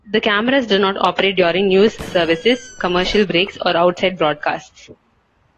The cameras do not operate during news services, commercial breaks, or outside broadcasts.